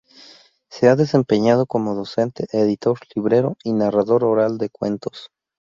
Se ha desempeñado como docente, editor, librero y narrador oral de cuentos.